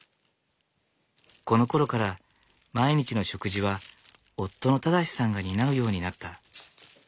このころから毎日の食事は夫の正さんが担うようになった。